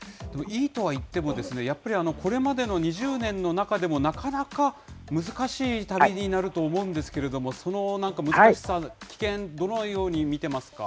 いいとは言ってもですね、やっぱりこれまでの２０年の中でもなかなか難しい旅になると思うんですけれども、その、なんか難しさ、危険、どのように見てますか。